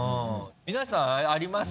皆さんあります？